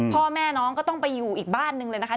พ่อแม่น้องก็ต้องไปอยู่อีกบ้านหนึ่งเลยนะคะ